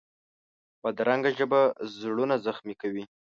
بدرنګه ژبه زړونه زخمي کوي